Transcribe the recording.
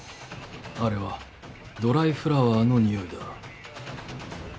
あれはドライフラワーのにおいだ。